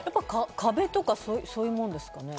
壁とかそういうものですか？